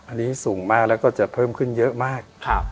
อันนี้สูงมากแล้วก็จะเพิ่มขึ้นเยอะมาก